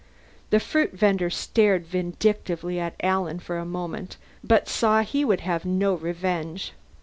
The fruit vender stared vindictively at Alan for a moment, but saw he would have no revenge.